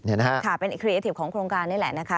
นี่นะคะเป็นอิครีเอทีฟของโครงการนี่แหละนะคะ